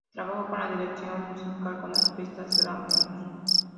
Trabajó con la dirección musical con artistas Grammophon.